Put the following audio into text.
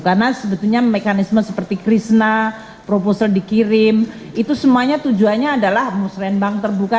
karena sebetulnya mekanisme seperti krisna proposal dikirim itu semuanya tujuannya adalah musrembang terbuka